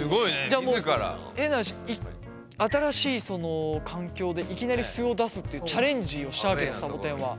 じゃあ変な話新しいその環境でいきなり素を出すっていうチャレンジをしたわけださぼてんは。